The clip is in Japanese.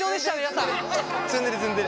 皆さん！